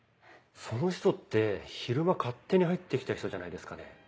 その人って昼間勝手に入って来た人じゃないですかね？